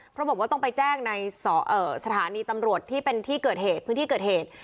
เพราะบอกว่าต้องไปแจ้งในสถานีตำรวจที่เป็นที่เกิดเหตุพื้นที่เกิดเหตุ